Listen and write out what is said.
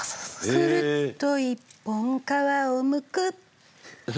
「くるっと１本皮をむく」